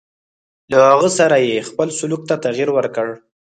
له هغه سره یې خپل سلوک ته تغیر ورکړ.